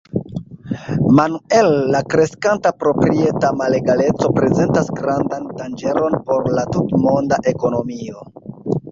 Manuel, la kreskanta proprieta malegaleco prezentas grandan danĝeron por la tutmonda ekonomio.